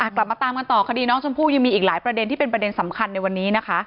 กลับมาตามกันต่อคดีน้องชมพู่ยังมีอีกหลายประเด็นที่เป็นประเด็นสำคัญในวันนี้นะคะ